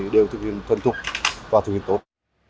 đều thực hiện thân thục và thực hiện tốt